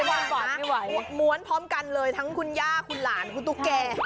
โอ้โฮเหมือนกันนะม้วนพร้อมกันเลยทั้งคุณย่าคุณหลานคุณตุ๊กแก